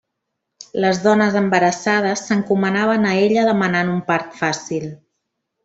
Les dones embarassades s'encomanaven a ella demanant un part fàcil.